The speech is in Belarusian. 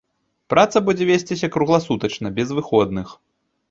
Праца будзе весціся кругласутачна без выходных.